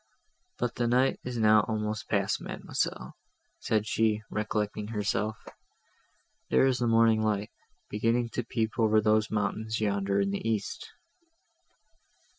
"But the night is now almost past, Mademoiselle," said she, recollecting herself; "there is the morning light, beginning to peep over those mountains yonder in the east."